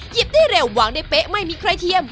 หยิบได้เร็ววางได้เป๊ะไม่มีใครเทียม